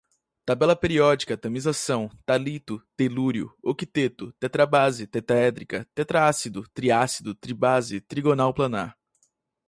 tabela periódica, tamisação, tálito, telúrio, octeto, tetrabase, tetraédrica, tetrácido, triácido, tribase, trigonal planar